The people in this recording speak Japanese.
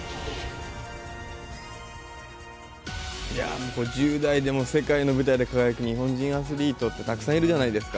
もう１０代でも世界の舞台で輝く日本人アスリートって、たくさんいるじゃないですか。